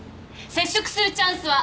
接触するチャンスは？